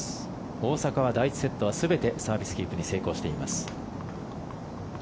大坂は第１セットは全てサービスキープに成功しています。